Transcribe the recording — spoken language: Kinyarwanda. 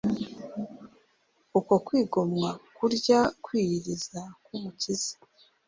Uko kwigomwa kurya kwiyiriza k’Umukiza